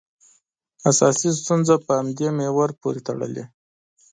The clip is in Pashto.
اساسي ستونزه په همدې محور پورې تړلې.